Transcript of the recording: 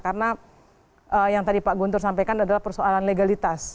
karena yang tadi pak guntur sampaikan adalah persoalan legalitas